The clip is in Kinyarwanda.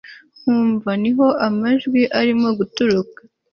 nkumva niho amajwi arimo guturuka